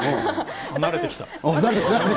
慣れてきた。